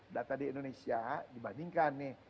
data di indonesia dibandingkan nih